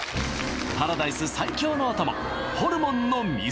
パラダイス最強のお供